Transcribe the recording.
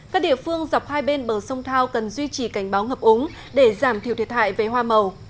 các địa phương dọc hai bên bờ sông thao cần duy trì cảnh báo ngập úng để giảm thiểu thiệt hại về hoa màu